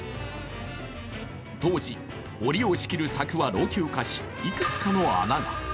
当時仕切る柵は老朽化、いくつか穴が。